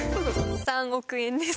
３億円です。